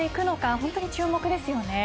本当に注目ですよね。